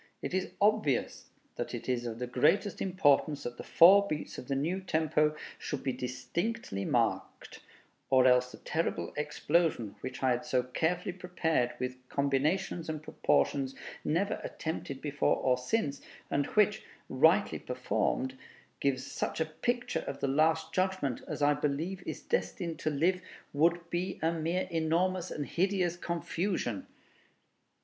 It is obvious that it is of the greatest importance that the four beats of the new tempo should be distinctly marked, or else the terrible explosion, which I had so carefully prepared with combinations and proportions never attempted before or since, and which, rightly performed, gives such a picture of the Last Judgment as I believe is destined to live, would be a mere enormous and hideous confusion.